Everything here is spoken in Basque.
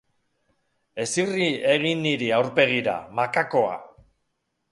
Ez irri egin niri aurpegira, makakoa!